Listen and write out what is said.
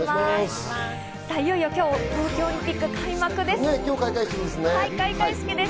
いよいよ今日、東京オリンピック開幕です。